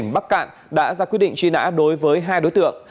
công an huyện bắc nẵm tỉnh bắc cạn đã ra quy định truy nã đối với hai đối tượng